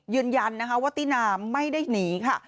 ยืนยันนะคะว่าตินาไม่ได้หนีค่ะ